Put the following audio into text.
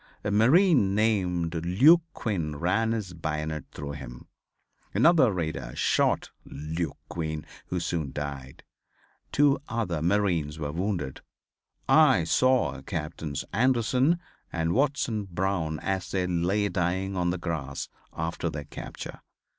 A marine named Luke Quinn ran his bayonet through him. Another raider shot Luke Quinn who soon died. Two other marines were wounded. I saw Captains Anderson and Watson Brown as they lay dying on the grass after their capture.